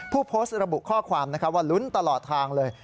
ผู้โพสต์ระบุข้อความว่าลุ้นตลอดทางเลย